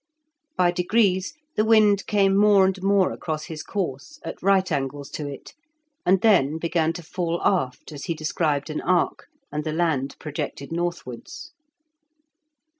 By degrees the wind came more and more across his course, at right angles to it, and then began to fall aft as he described an arc, and the land projected northwards.